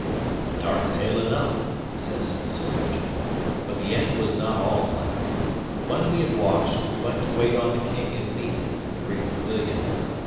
'A dark tale enough,' says Sir Richard, 'but the end was not all black. When we had washed, we went to wait on the King at meat in the great pavilion.